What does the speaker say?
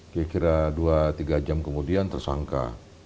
kira kira dua tiga jam kemudian tersangka